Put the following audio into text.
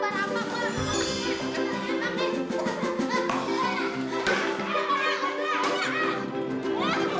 woi jangan jangan woi